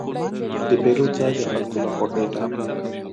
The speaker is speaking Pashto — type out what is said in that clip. د پیرود ځای د خلکو له خوښې ډک و.